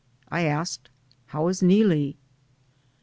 I asked, "How is Neelie?"